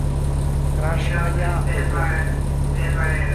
Krasnaja Poljana